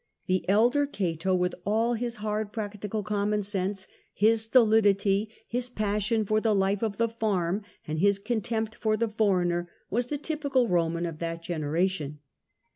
The elder Cato, with all his hard practical common sense, his stolidity, his passion for the life of the farm, and his contempt for the foreigner, was the typical Roman of that generation.